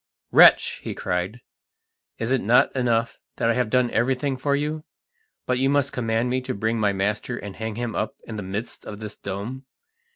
"Wretch!" he cried, "is it not enough that I have done everything for you, but you must command me to bring my master and hang him up in the midst of this dome?